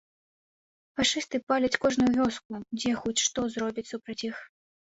Фашысты паляць кожную вёску, дзе хоць што зробяць супроць іх.